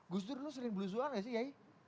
gus dur dulu sering belusuan gak sih yai